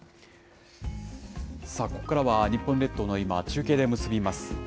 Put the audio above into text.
さあ、ここからは日本列島の今を中継で結びます。